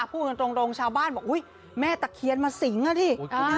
พูดกันตรงชาวบ้านบอกอุ๊ยแม่ตะเคียนมาสิงอ่ะดิ